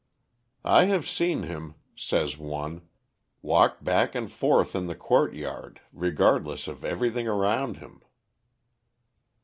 "I have seen him," says one, walk back and forth in the court yard regardless of every thing around him.